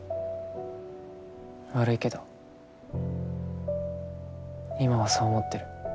悪いけど今はそう思ってる。